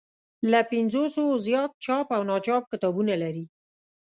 له پنځوسو زیات چاپ او ناچاپ کتابونه لري.